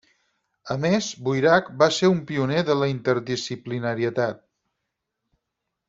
A més, Boirac va ser un pioner de la interdisciplinarietat.